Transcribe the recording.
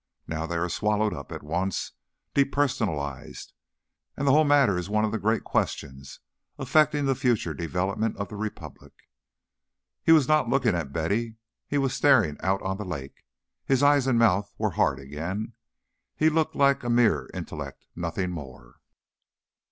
Now they are swallowed up at once, depersonalized, and the whole matter is one of the great questions affecting the future development of the Republic." He was not looking at Betty; he was staring out on the lake. His eyes and mouth were hard again; he looked like a mere intellect, nothing more.